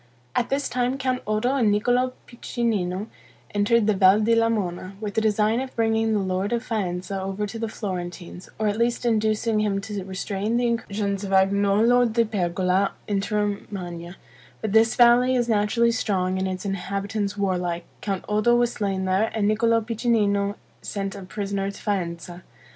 At this time Count Oddo and Niccolo Piccinino entered the Val di Lamona, with the design of bringing the lord of Faenza over to the Florentines, or at least inducing him to restrain the incursions of Agnolo della Pergola into Romagna; but as this valley is naturally strong, and its inhabitants warlike, Count Oddo was slain there, and Niccolo Piccinino sent a prisoner to Faenza.